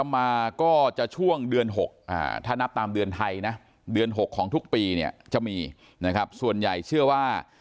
มาก็จะช่วงเดือน๖ถ้านับตามเดือนไทยนะเดือน๖ของทุกปีเนี่ยจะมีนะครับส่วนใหญ่เชื่อว่า